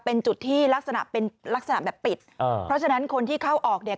เป็นจุดที่ลักษณะเป็นลักษณะแบบปิดอ่าเพราะฉะนั้นคนที่เข้าออกเนี่ย